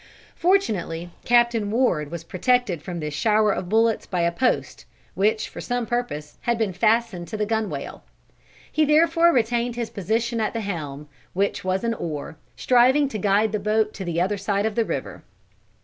Fortunately Captain Ward was protected from this shower of bullets by a post, which for some purpose had been fastened to the gunwale. He therefore retained his position at the helm, which was an oar, striving to guide the boat to the other side of the river.